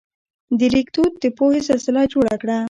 د لیک دود د پوهې سلسله جوړه کړه.